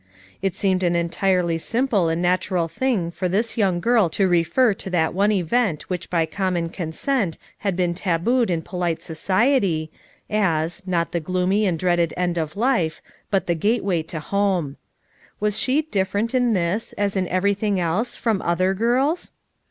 It seemed an entirely simple and natural thing for this young girl to refer to that one event which by common con sent had been tabooed in polite society, as — not the gloomy and dreaded end of life — but the gateway to home, "Was she different in this, as in everything else, from other girls?